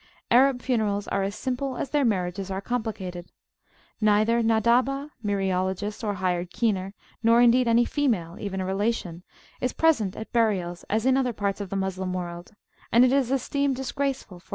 Arab funerals are as simple as their marriages are complicated. Neither Naddabah (myriologist or hired keener), nor indeed any female, even a relation, is present at burials as in other parts of the Moslem world,[FN#38] and it is esteemed disgraceful [p.